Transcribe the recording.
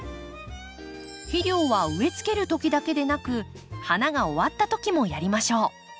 肥料は植えつけるときだけでなく花が終わったときもやりましょう。